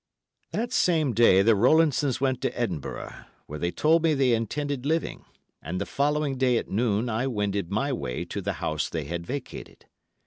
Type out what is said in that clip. That same day the Rowlandsons went to Edinburgh, where they told me they intended living, and the following day at noon I wended my way to the house they had vacated.